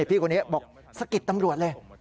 พี่คนนี้บอกสะกิดตำรวจเลย